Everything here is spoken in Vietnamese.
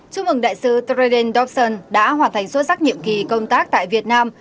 chúc mừng đại sứ treden dobson đã hoàn thành xuất sắc nhiệm kỳ công tác tại việt nam